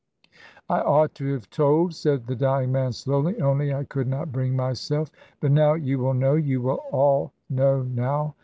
"I ought to have told," said the dying man slowly; "only I could not bring myself. But now you will know, you will all know now.